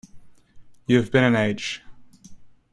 You have been an age.